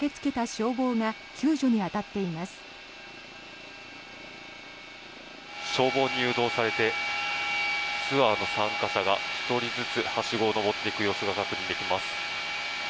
消防に誘導されてツアーの参加者が１人ずつはしごを上っていく様子が確認できます。